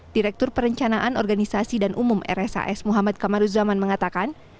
direktur perencanaan organisasi dan umum rshs muhammad kamaruzaman mengatakan